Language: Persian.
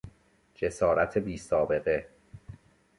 جسارت بیسابقه